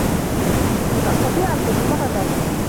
لن أستطيع القدوم غدا.